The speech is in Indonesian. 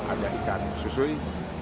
ada ikan susui